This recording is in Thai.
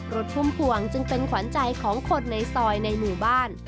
พุ่มพวงจึงเป็นขวัญใจของคนในซอยในหมู่บ้าน